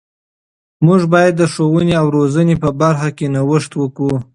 موږ باید د ښوونې او روزنې په برخه کې نوښت وکړو.